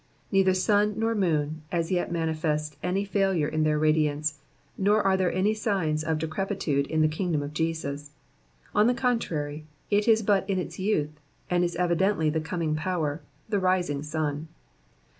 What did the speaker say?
Neither sun nor moon as yet manifest any failure in their radiance, nor are there any signs of decrepitude in the kingdom of Jesus ; on the contrary, it is but in its youth, and is evidently the coming power, the rising sun.